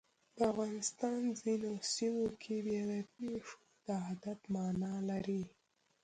د افغانستان ځینو سیمو کې بیا د پیشو د عادت مانا لري.